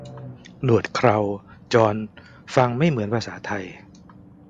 หนวด เครา จอน ฟังไม่เหมือนภาษาไทย